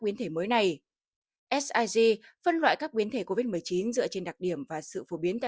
biến thể mới này sig phân loại các biến thể covid một mươi chín dựa trên đặc điểm và sự phổ biến